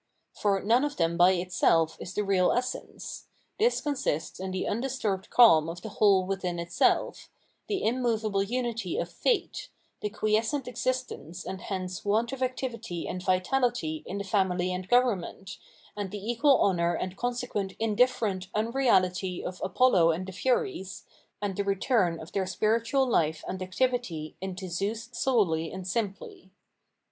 For none of them by itself is the real essence ; this consists in the undisturbed cahn of the whole within itself, the immovable unity of Fate, the quiescent existence and hence want of activity and vitality in the family and government, and the equal honour and consequent indifferent unreality of Apollo and the Furies, and the return of their spiritual life and activity into Zeus solely and simply.